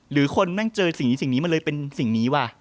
หรือคนเจอสิ่งนี้แล้วเป็นสิ่งนี้วะ